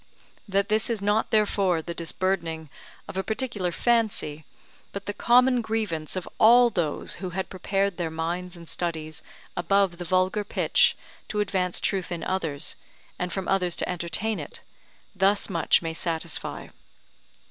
That this is not therefore the disburdening of a particular fancy, but the common grievance of all those who had prepared their minds and studies above the vulgar pitch to advance truth in others, and from others to entertain it, thus much may satisfy.